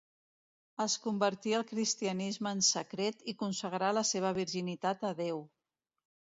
Es convertí al cristianisme en secret i consagrà la seva virginitat a Déu.